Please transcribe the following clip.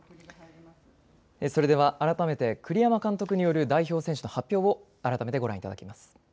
それでは改めて、栗山監督による代表選手の発表を改めてご覧いただきます。